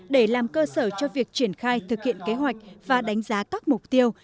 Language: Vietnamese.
để làm cơ sở cho việc triển khai thực hiện kế hoạch và đánh giá các mục tiêu